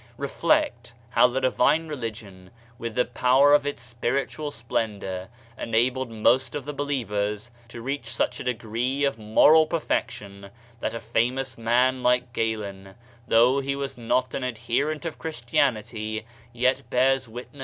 Reflect, how the divine religion, with the power of its spiritual splendor, enabled most of the believers to reach such a degree of moral perfection, that a famous man like Galen, though he was not an ad herent of Christianity, yet bears wimess to the fact.